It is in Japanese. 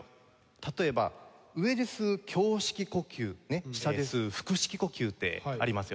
例えば上で吸う胸式呼吸下で吸う腹式呼吸ってありますよね。